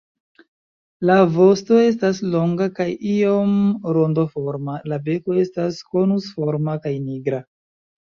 La vosto estas longa kaj iom rondoforma; la beko estas konusforma kaj nigra.